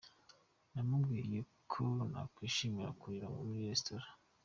Namubwiye ko nakwishimira kurira muri restaurant.